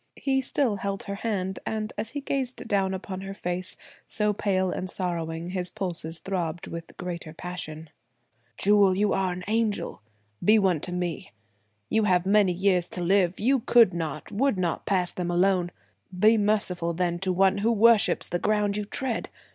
He still held her hand; and as he gazed down upon her face, so pale and sorrowing, his pulses throbbed with greater passion. "Jewel you are an angel! Be one to me. You have many years to live; you could not, would not pass them alone. Be merciful then to one who worships the ground you tread!